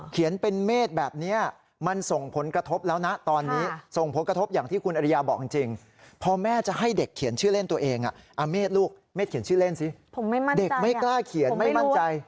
พี่เล่นสิเด็กไม่กล้าเขียนไม่มั่นใจ